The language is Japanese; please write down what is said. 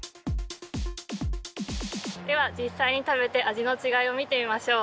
では実際に食べて味の違いを見てみましょう。